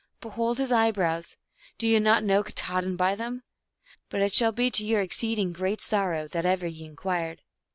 Behold his eyebrows ; do ye not know Katahdin by them ? But it shall be to your exceed ing great sorrow that ever ye inquired.